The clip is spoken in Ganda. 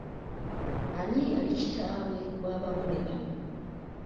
Ani eyali Kitaawe w’Abagole bano?